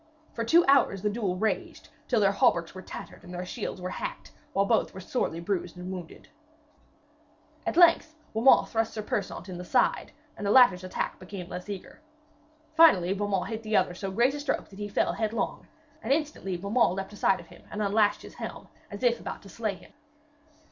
For two hours the duel raged, till their hauberks were tattered and their shields were hacked, while both were sorely bruised and wounded. At length Beaumains thrust Sir Persaunt in the side, and the latter's attack became less eager. Finally Beaumains hit the other so great a stroke that he fell headlong, and instantly Beaumains leaped astride of him and unlashed his helm, as if about to slay him.